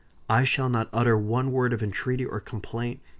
I shall not utter one word of entreaty or complaint.